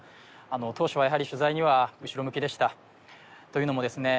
あの当初はやはり取材には後ろ向きでしたというのもですね